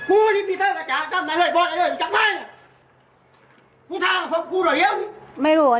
อุ้ยน้องมักละ